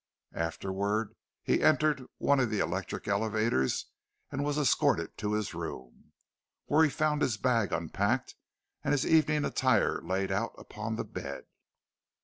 Afterward, he entered one of the electric elevators and was escorted to his room, where he found his bag unpacked, and his evening attire laid out upon the bed.